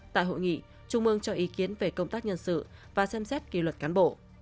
tại hội nghị trung ương cho ý kiến về công tác nhân sự và xem xét kỳ luật cán bộ